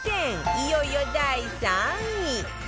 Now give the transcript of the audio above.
いよいよ第３位